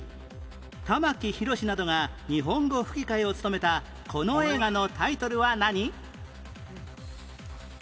玉木宏などが日本語吹き替えを務めたこの映画のタイトルは何？